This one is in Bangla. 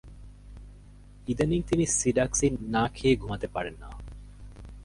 ইদানীং তিনি সিডাকসিন না খেয়ে ঘুমাতে পারেন না।